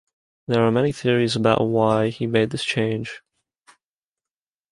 There are many theories about why he made this change.